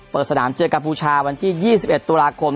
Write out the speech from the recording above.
เปิดสนามเจอกัมพูชาวันที่๒๑ตุลาคม